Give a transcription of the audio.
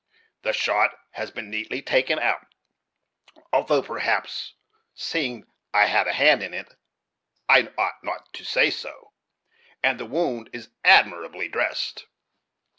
The shot has been neatly taken out, although, perhaps, seeing I had a hand in it, I ought not to say so; and the wound is admirably dressed.